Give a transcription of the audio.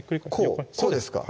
こうですか？